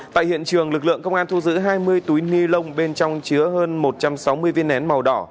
tại hiện trường lực lượng công an thu giữ hai mươi túi ni lông bên trong chứa hơn một trăm sáu mươi viên nén màu đỏ